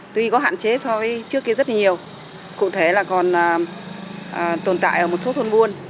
tuy có hạn chế so với trước kia rất nhiều cụ thể là còn tồn tại ở một số thôn buôn